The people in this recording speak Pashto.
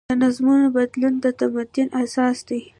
د نظمونو بدلون د تمدن اساس دی.